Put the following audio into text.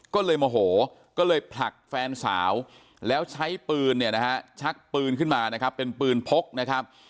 ก็เลยโมโหก็เลยผลักแฟนสาวแล้วใช้ปืนเนี่ยนะฮะชักปืนขึ้นมานะครับเป็นปืนพกนะครับ